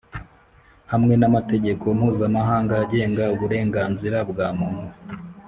hamwe n’amategeko mpuzamahanga agenga uburenganzira bwa muntu.